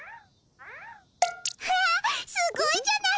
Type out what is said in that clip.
きゃすごいじゃない。